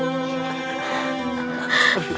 aku sudah berhenti